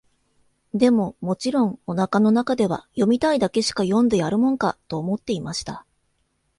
でも、もちろん、お腹の中では、読みたいだけしか読んでやるもんか、と思っていました。